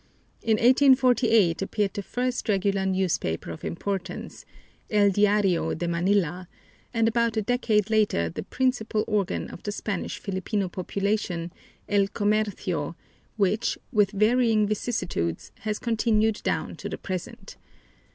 In 1848 appeared the first regular newspaper of importance, El Diario de Manila, and about a decade later the principal organ of the Spanish Filipino population, El Comercio, which, with varying vicissitudes, has continued down to the present.